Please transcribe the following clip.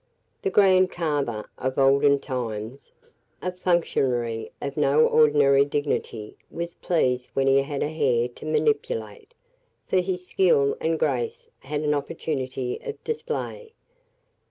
The "Grand Carver" of olden times, a functionary of no ordinary dignity, was pleased when he had a hare to manipulate, for his skill and grace had an opportunity of display.